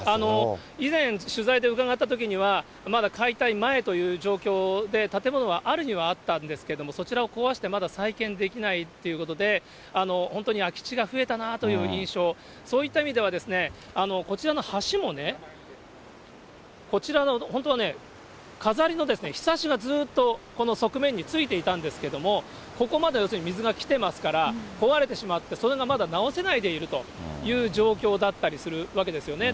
以前、取材で伺ったときには、まだ解体前という状況で、建物はあるにはあったんですが、そちらを壊してまだ再建できないということで、本当に空き地が増えたなという印象、そういった意味では、こちらの橋もね、こちらの、本当はね、飾りのひさしがずっと側面についていたんですけれども、ここまで、要するに水が来てますから、壊れてしまって、それがまだ直せないでいるという状況だったりするわけですよね。